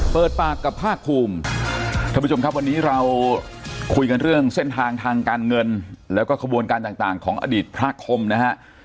เปิดปากกับภาคภูมิท่านผู้ชมครับวันนี้เราคุยกันเรื่องเส้นทางทางการเงินแล้วก็ขบวนการต่างต่างของอดีตพระคมนะฮะ